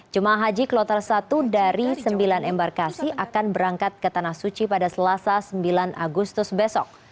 jemaah haji kloter satu dari sembilan embarkasi akan berangkat ke tanah suci pada selasa sembilan agustus besok